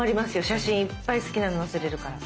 写真いっぱい好きなの載せれるから。